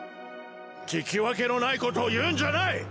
聞き分けのないことを言うんじゃない！